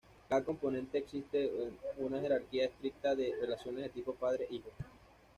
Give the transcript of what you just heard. Cada componente existe en una jerarquía estricta de relaciones de tipo "padre-hijo".